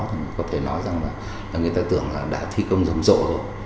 thì có thể nói rằng là người ta tưởng là đã thi công dẫm dội rồi